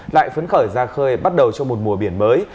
lại phấn khởi ra khơi bắt đầu cho một mùa biển mới